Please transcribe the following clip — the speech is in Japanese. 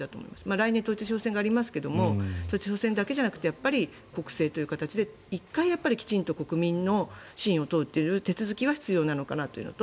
来年、統一地方選がありますが統一地方選だけじゃなくてやっぱり国政という形で１回やっぱり国民の信を問うという手続きは必要なのかなというのと